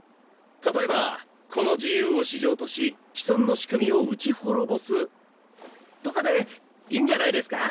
例えば「個の自由を至上とし既存の仕組みを討ち滅ぼす」とかでいんじゃないですか？